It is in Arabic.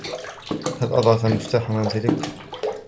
هل أضعتَ مفتاحَ منزلك؟